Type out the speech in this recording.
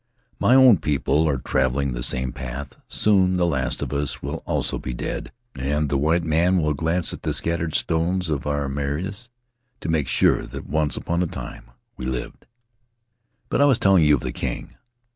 My own people are traveling the same path — soon the last of us will also be dead, and the white man will glance at the scattered stones of our maraes to make sure that once upon a time we lived. "But I was telling you of the king.